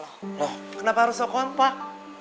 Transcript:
loh kenapa harus sok kompak